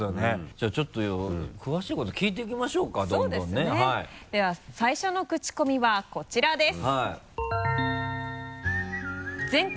じゃあちょっと詳しいこと聞いていきましょうかどんどんねそうですねでは最初のクチコミはこちらです。